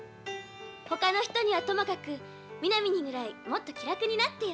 他の人にはともかく、南にぐらいもっと気楽になってよ。